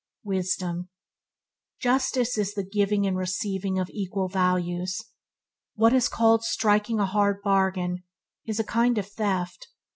Wisdom Justice is the giving and receiving of equal values. What is called "striking a hard bargain" is a kind of theft.